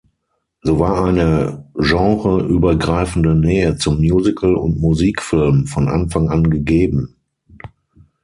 So war eine genreübergreifende Nähe zum Musical und Musikfilm von Anfang an gegeben.